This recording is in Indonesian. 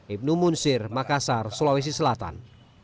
ibnu munsir makassar sulawesi selatan